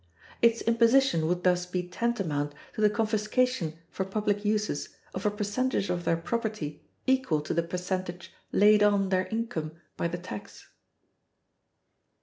Its imposition would thus be tantamount to the confiscation for public uses of a percentage of their property equal to the percentage laid on their income by the tax.